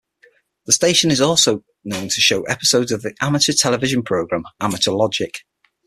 The station is known to show episodes of the Amateur Television Program 'Amateurlogic'.